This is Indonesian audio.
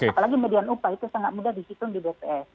apalagi median upah itu sangat mudah disitu di dps